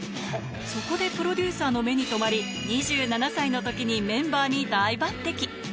そこでプロデューサーの目に留まり、２７歳のときにメンバーに大抜てき。